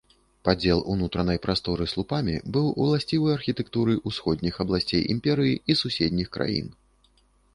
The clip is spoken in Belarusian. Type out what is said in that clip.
Падзел унутранай прасторы слупамі быў уласцівы архітэктуры ўсходніх абласцей імперыі і суседніх краін.